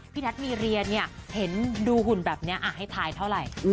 พี่นัทมีรียาเนี่ยดูหุ่นแบบนี้ให้ถ่ายเท่าไหร่